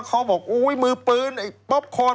เขาบอกมือปืนไอ้ป็อปครรม